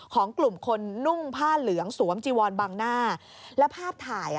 ของกลุ่มคนนุ่งผ้าเหลืองสวมจีวอนบางหน้าแล้วภาพถ่ายอ่ะ